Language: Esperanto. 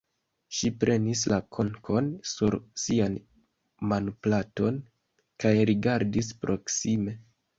Ŝi prenis la konkon sur sian manplaton kaj rigardis proksime.